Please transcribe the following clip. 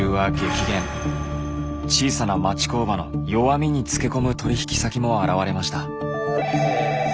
小さな町工場の弱みにつけ込む取引先も現れました。